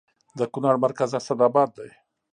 د کونړ مرکز اسداباد دی